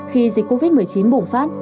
khi dịch covid một mươi chín bùng phát